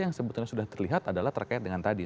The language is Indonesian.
yang sebetulnya sudah terlihat adalah terkait dengan tadi